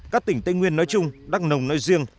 các tỉnh tây nguyên nói chung đắk nông nói riêng